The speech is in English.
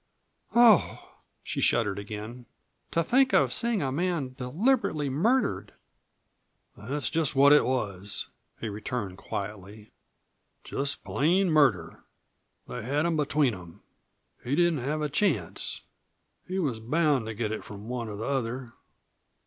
Oh!" She shuddered again. "To think of seeing a man deliberately murdered!" "That's just what it was," he returned quietly; "just plain murder. They had him between them. He didn't have a chance. He was bound to get it from one or the other.